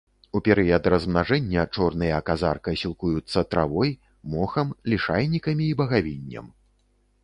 У перыяд размнажэння чорныя казарка сілкуюцца травой, мохам, лішайнікамі і багавіннем.